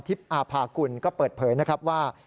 อาภากุลก็เปิดเผยนะครับว่า